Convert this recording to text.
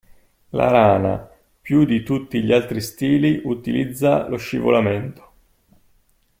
La rana, più di tutti gli altri stili, utilizza lo scivolamento.